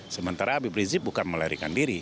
sementara habib rizik bukan melarikan diri